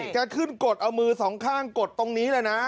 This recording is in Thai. แกขึ้นกดเอามือสองข้างกดตรงนี้เลยนะ